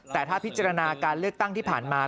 แต่ถ้าพิจารณาการเลือกตั้งที่ผ่านมา